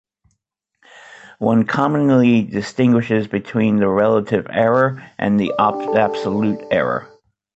One commonly distinguishes between the relative error and the absolute error.